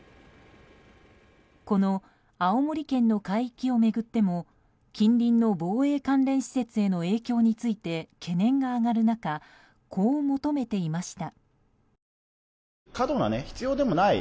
この青森県の海域を巡っても近隣の防衛関連施設への影響について懸念が上がる中こう求めていました。